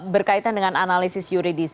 berkaitan dengan analisis yuridis